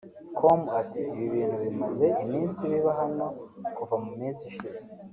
com ati “ Ibi bintu bimaze iminsi biba hano kuva mu minsi ishize